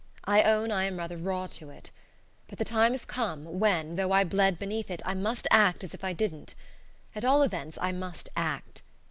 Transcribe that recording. I own I am rather raw to it. But the time has come when, though I bled beneath it, I must act as if I didn't. At all events I must ACT....